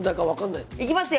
いきますよ？